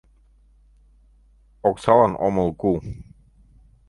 Оксалан омыл кул.